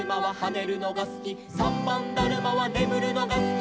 「さんばんだるまはねむるのがすき」